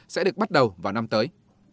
sẽ được bắt đầu vào năm tới